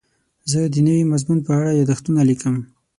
زه د نوي مضمون په اړه یادښتونه لیکم.